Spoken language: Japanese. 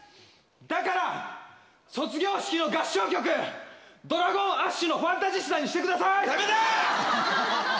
だから、卒業式の合唱曲ＤｒａｇｏｎＡｓｈの「ファンタジスタ」にしてください！